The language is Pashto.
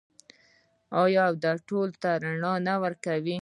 آیا او ټولو ته رڼا نه ورکوي؟